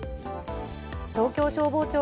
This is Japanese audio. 東京消防庁